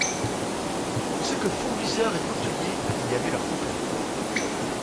On sait que fourbisseurs et couteliers y avaient leur confrérie.